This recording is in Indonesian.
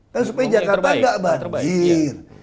kan supaya jakarta nggak banjir